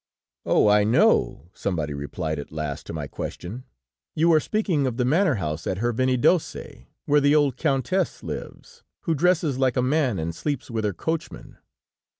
"'Oh, I know!' somebody replied at last to my question; 'you are speaking of the manor house at Hervénidozse, where the old countess lives, who dresses like a man and sleeps with her coachman.'